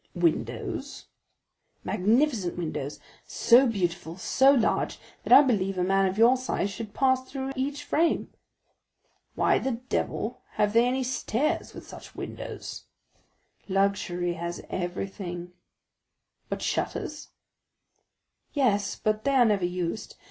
"Windows?" "Magnificent windows, so beautiful, so large, that I believe a man of your size should pass through each frame." "Why the devil have they any stairs with such windows?" "Luxury has everything." "But shutters?" "Yes, but they are never used.